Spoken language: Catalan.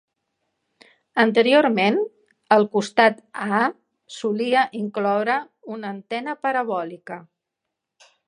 Anteriorment, el costat A solia incloure una antena parabòlica.